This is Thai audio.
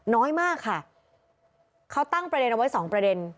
น้อยมากค่ะเขาตั้งประเด็นเอาไว้สองประเด็น